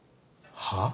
はあ？